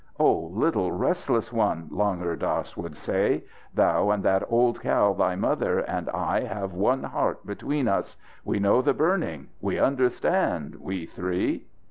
"Oh, little restless one," Langur Dass would say, "thou and that old cow thy mother and I have one heart between us. We know the burning we understand, we three!"